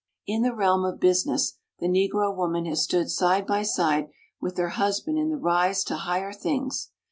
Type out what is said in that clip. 14 In the realm of business the Negro woman has stood side by side with her husband in the rise to higher things.